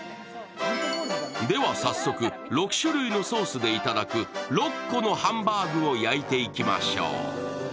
では早速、６種類のソースでいただく６個のハンバーグを焼いていきましょう。